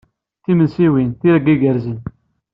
Timensiwin, tirga igerrzen.